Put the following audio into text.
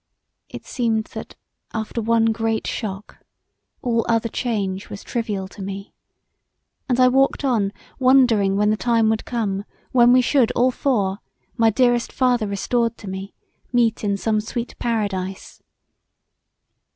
It seemed that after one great shock all other change was trivial to me; and I walked on wondering when the time would come when we should all four, my dearest father restored to me, meet in some sweet Paradise[.